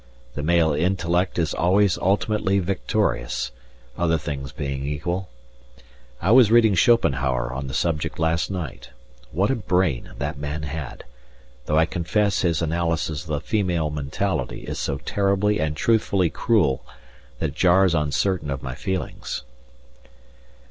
The male intellect is always ultimately victorious, other things being equal. I was reading Schopenhauer on the subject last night. What a brain that man had, though I confess his analysis of the female mentality is so terribly and truthfully cruel that it jars on certain of my feelings.